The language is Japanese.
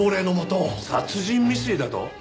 殺人未遂だと？